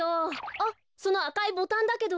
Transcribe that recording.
あっそのあかいボタンだけど。